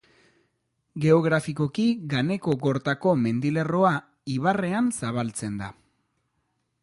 Geografikoki, Ganekogortako mendilerroa ibarrean zabaltzen da.